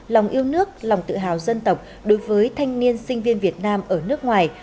lòng yêu nước lòng tự hào dân tộc đối với thanh niên sinh viên việt nam ở nước ngoài